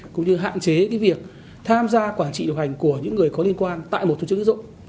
cũng như hạn chế việc tham gia quản trị điều hành của những người có liên quan tại một tổ chức tín dụng